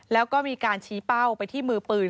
แล้วก็มีการชี้เป้าไปที่มือปืน